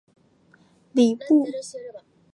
事梁为礼部侍郎。